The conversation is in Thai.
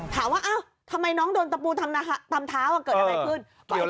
ถามว่าทำไมน้องโดนตะปูทำเท้าเกิดอะไรขึ้น